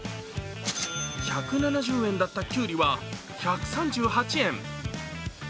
１７０円だったきゅうりは１３８円。